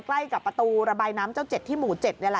ใกล้กับประตูระบายน้ำเจ้าเจ็ดที่หมู่๗นี่แหละ